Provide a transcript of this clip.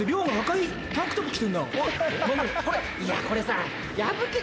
いやこれさ破け。